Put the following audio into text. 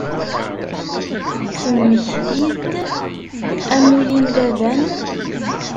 Temmektid-d amulli n baba-m?